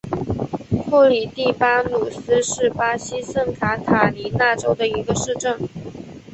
库里蒂巴努斯是巴西圣卡塔琳娜州的一个市镇。